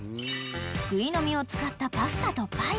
［グイの実を使ったパスタとパイ］